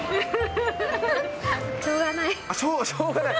しょうがない。